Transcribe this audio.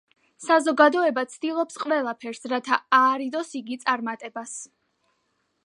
საზოგადოება ცდილობს ყველაფერს, რათა აარიდოს იგი წარმატებას.